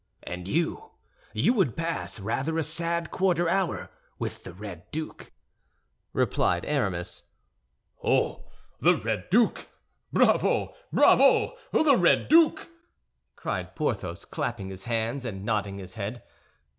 "And you—you would pass rather a sad quarter hour with the Red Duke," replied Aramis. "Oh, the Red Duke! Bravo! Bravo! The Red Duke!" cried Porthos, clapping his hands and nodding his head.